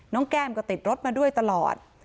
แก้มก็ติดรถมาด้วยตลอด